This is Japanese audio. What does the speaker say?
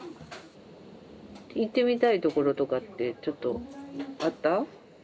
行ってみたいところとかってちょっとあった？